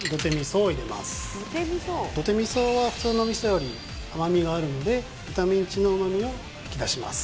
土手味噌は普通の味噌より甘みがあるので豚ミンチの旨味を引き出します